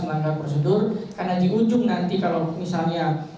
melanggar prosedur karena di ujung nanti kalau misalnya